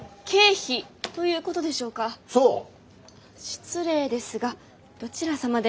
失礼ですがどちら様で？